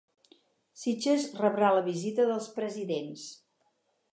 Sitges rebrà la visita dels presidents.